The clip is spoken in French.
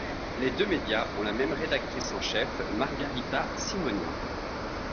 Les deux média ont la même rédactrice en chef, Margarita Simonian.